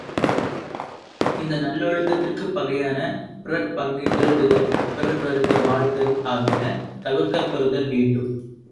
இந்த நல்லொழுக்கத்திற்குப் பகையான பிறர் பங்கைத் திருடுதல், பிறர் வருந்த வாழ்தல் ஆகியன தவிர்க்கப் பெறுதல் வேண்டும்.